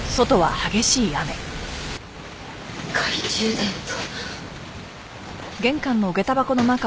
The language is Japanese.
懐中電灯。